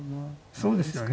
そうですよね。